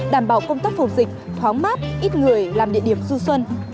đảm bảo công tác phòng dịch thoáng mát ít người làm địa điểm du xuân